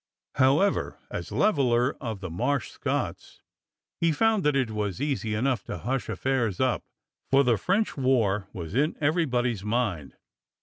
However, as Leveller of the Marsh Scotts, he found that it was easy enough to hush affairs up, for the French war was in everybody's mind.